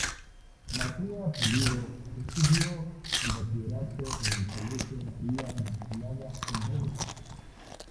Marcella Pulido estudió el bachillerato en el colegio María Inmaculada, en Bogotá.